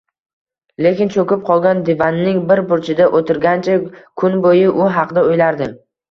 lekin choʻkib qolgan divanning bir burchida oʻtirgancha kun boʻyi u haqda oʻylardi.